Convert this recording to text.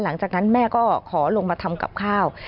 หลังจากนั้นแม่ก็ขอลงมาทำกับข้าว